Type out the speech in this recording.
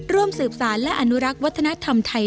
ร่วมสืบสารและอนุรักษ์วัฒนธรรมไทย